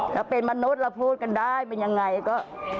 ถ้าเป็นมนุษย์เราพูดกันได้เป็นยังไงก็